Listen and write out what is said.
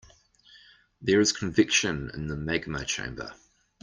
There is convection in the magma chamber.